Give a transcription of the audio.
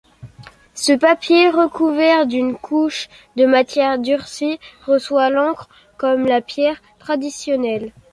Ce papier, recouvert d’une couche de matière durcie, reçoit l’encre comme la pierre traditionnelle.